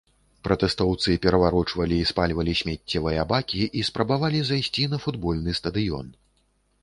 Пратэстоўцы пераварочвалі і спальвалі смеццевыя бакі і спрабавалі зайсці на футбольны стадыён.